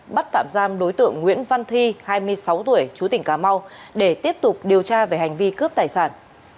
bắt tạm giam đối tượng nguyễn văn thi hai mươi sáu tuổi chú tỉnh cà mau để tiếp tục điều tra về hành vi cướp tài sản